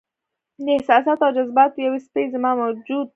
د احساساتو او جذباتو یوې څپې زما وجود راګیر کړ.